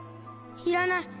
いらない